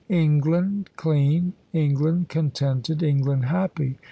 England clean, England contented, England happy.